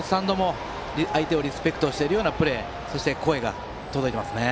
相手をリスペクトしているようなプレーそして、声が届いていますね。